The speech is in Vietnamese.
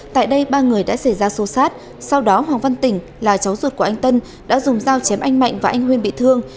tại đây ba người đã xảy ra xô xát sau đó hoàng văn tỉnh là cháu ruột của anh tân đã dùng dao chém anh mạnh và anh huyên bị thương